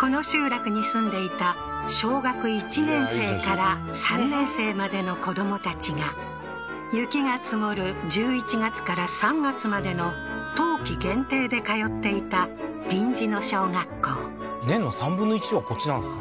この集落に住んでいた小学１年生から３年生までの子どもたちが雪が積もる１１月から３月までの冬季限定で通っていた臨時の小学校年の３分の１はこっちなんですね